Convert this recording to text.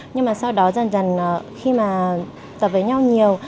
nhưng mà sau đó dần dần khi mà gặp với nhau nhiều